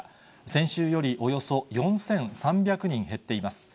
先週よりおよそ４３００人減っています。